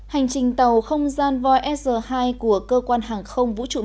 hành trình tàu không gian voisg hai của cơ quan hàng không vũ trụ